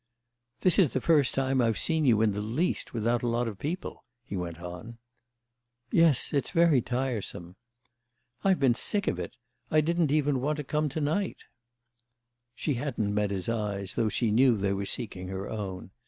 "This is the first time I've seen you in the least without a lot of people," he went on. "Yes, it's very tiresome." "I've been sick of it. I didn't want even to come here to night." She hadn't met his eyes, though she knew they were seeking her own.